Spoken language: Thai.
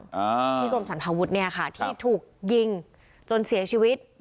อ่าที่กรมสรรพาวุฒิเนี่ยค่ะที่ถูกยิงจนเสียชีวิต